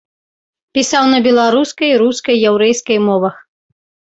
Пісаў на беларускай, рускай, яўрэйскай мовах.